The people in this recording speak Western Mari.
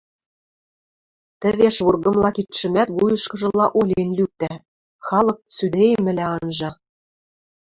Тӹвеш вургымла кидшӹмӓт вуйышкыжыла олен лӱктӓ, халык цӱдейӹмӹлӓ анжа.